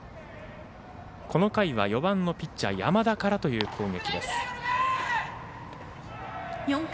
この回は、４番のピッチャー山田からという攻撃。